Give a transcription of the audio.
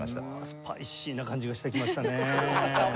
スパイシーな感じがしてきましたね。